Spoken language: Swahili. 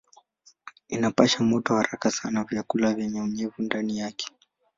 Inapasha moto haraka sana vyakula vyenye unyevu ndani yake.